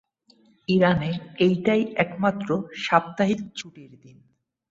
ইরানে, এটাই একমাত্র সাপ্তাহিক ছুটির দিন।